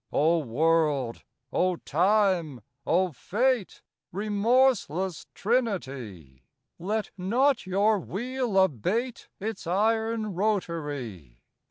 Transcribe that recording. _ _O world! O time! O fate! Remorseless trinity! Let not your wheel abate Its iron rotary!